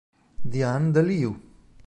Dianne de Leeuw